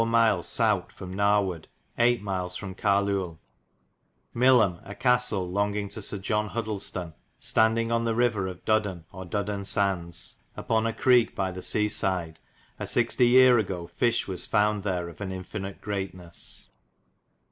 myles sowt fro Naward, viii. myles fro Cairluel. Milium a castel longing to S[er] John Hudelstan stond ing on the river of Dudden or Dudden Sandes. (Apon a creke by the se side) a xl. yere ago fisch was fownd ther of an infinite greatnes.